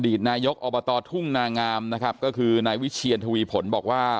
นายกอบตทุ่งนางามนะครับก็คือนายวิเชียนทวีผลบอกว่า